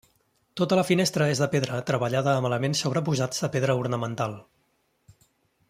Tota la finestra és de pedra treballada amb elements sobreposats de pedra ornamental.